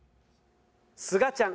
すがちゃん。